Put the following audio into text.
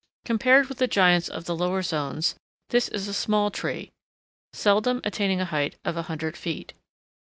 Compared with the giants of the lower zones, this is a small tree, seldom attaining a height of a hundred feet.